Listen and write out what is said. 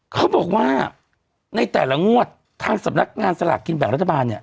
เขาบอกว่าในแต่ละงวดทางสำนักงานสลากกินแบ่งรัฐบาลเนี่ย